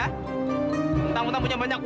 tentang entang punya banyak